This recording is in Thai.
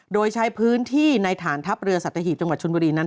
โดยใช้พื้นที่ในฐานทัพเรือสัตหีบจังหวัดชนบุรีนั้น